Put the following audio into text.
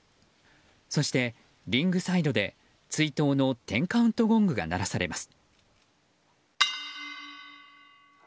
そしてリングサイドで追悼の１０カウントゴングが鳴らされます。